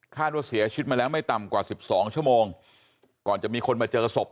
ว่าเสียชีวิตมาแล้วไม่ต่ำกว่าสิบสองชั่วโมงก่อนจะมีคนมาเจอศพ